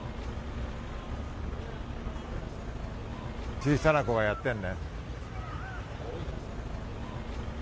小さな子がやっているね。